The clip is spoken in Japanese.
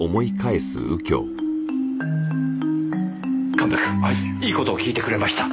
神戸君いい事を聞いてくれました。